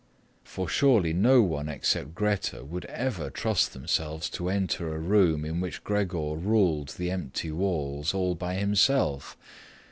For surely no one except Grete would ever trust themselves to enter a room in which Gregor ruled the empty walls all by himself.